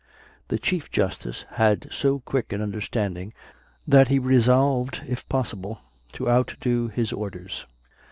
The Chief Justice had so quick an understanding that he resolved, if possible, to outdo his orders.